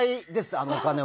あのお金は。